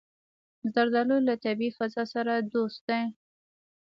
زردالو له طبیعي فضا سره دوست دی.